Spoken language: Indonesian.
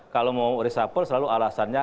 kalau mau reshuffle selalu alasannya